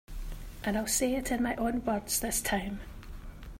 And I'll say it in my own words this time.